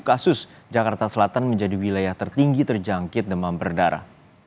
satu kasus jakarta selatan menjadi wilayah tertinggi terjangkit demam berdarah